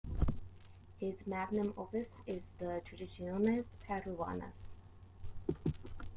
His magnum opus is the "Tradiciones peruanas".